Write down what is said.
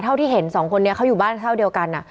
เท่าที่เห็นสองคนนี้เขาอยู่บ้านเท่าเดียวกัน